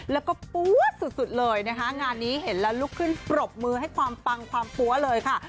แล้วก็ปั๊วสุดเลยนะคะงานนี้เห็นแล้วลุกขึ้นปรบมือให้ความปังความปั๊วเลยค่ะ